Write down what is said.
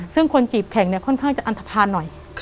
ซึ่งคนจีบแข่งค่อนข้างจะอันทภาณหน่อย